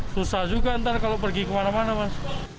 susah juga ntar kalau pergi kemana mana mas